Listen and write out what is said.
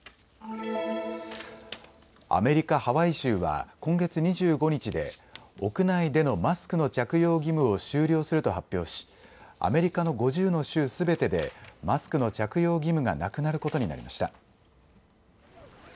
アメリカ・ハワイ州は今月２５日で屋内でのマスクの着用義務を終了すると発表しアメリカの５０の州すべてでマスクの着用義務がなくなることになりました。